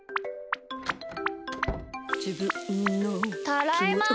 ただいま！